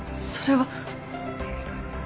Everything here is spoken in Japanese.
それは。